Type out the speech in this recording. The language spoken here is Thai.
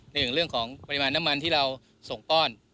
อย่างเรื่องของปริมาณน้ำมันที่เราส่งป้อน